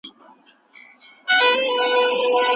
خاطرې تل له موږ سره وي.